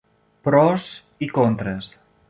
Pros i contres.